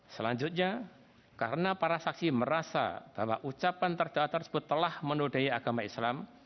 selanjutnya karena para saksi merasa bahwa ucapan terdakwa tersebut telah menodai agama islam